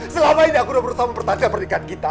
selama ini aku udah pertama mempertahankan pernikahan kita